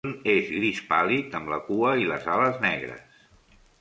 En conjunt, és gris pàl·lid amb la cua i les ales negres.